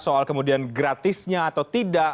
soal kemudian gratisnya atau tidak